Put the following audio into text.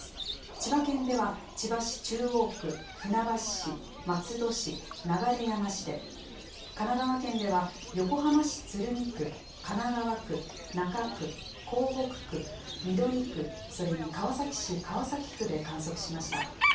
千葉県では千葉市中央区、船橋市、松戸市、流山市で、神奈川県では横浜市鶴見区、神奈川区、中区、港北区、緑区、それに川崎市川崎区で観測しました。